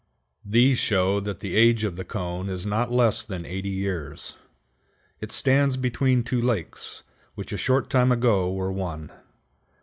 These show that the age of the cone is not less than eighty years. It stands between two lakes, which a short time ago were one.